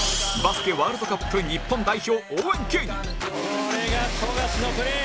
これが富樫のプレー！